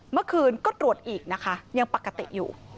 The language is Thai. เมื่อคืนก็ตรวจอีกนะคะยังปกติอยู่